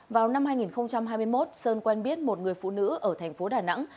vào năm hai nghìn hai mươi một sơn quen biết một người phụ nữ ở tp đà nẵng